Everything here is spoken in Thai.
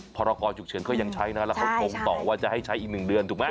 พรกรฉุกเฉินก็ยังใช้นะแล้วเขาคงต่อว่าจะให้ใช้อีก๑เดือนถูกไหม